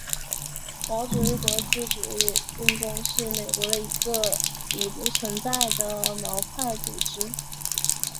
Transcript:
毛主义国际主义运动是美国的一个已不存在的毛派组织。